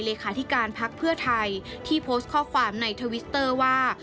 เลขาธิการพักเพื่อไทยที่โพสต์ข้อความในทวิตเตอร์ว่า